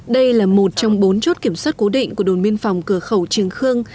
đây là một trong bốn chốt kiểm soát cố định của đồn biên phòng cửa khẩu trường khương